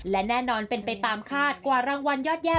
และแน่นอนเป็นไปตามคาดกว่ารางวัลยอดแย่